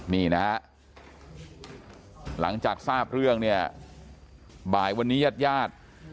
นี่นะหลังจากทราบเรื่องเนี่ยบ่ายวันนี้ยาด